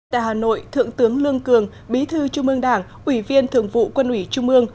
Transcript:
tại hà nội thượng tướng lương cường bí thư trung mương đảng ủy viên thượng vụ quân ủy trung mương